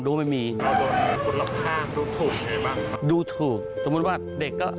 ดูถูกสมมุติว่าเด็กก็